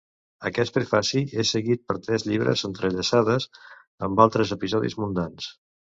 Aquest prefaci és seguit per tres llibres, entrellaçades amb altres episodis mundans.